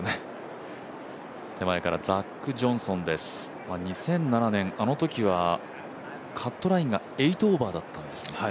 ザック・ジョンソンです、２００７年あのときはカットラインが８オーバーだったんですね。